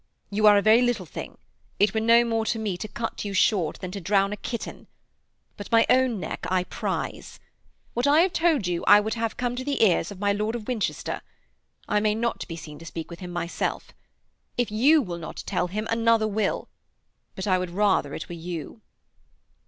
You are a very little thing; it were no more to me to cut you short than to drown a kitten. But my own neck I prize. What I have told you I would have come to the ears of my lord of Winchester. I may not be seen to speak with him myself. If you will not tell him, another will; but I would rather it were you.'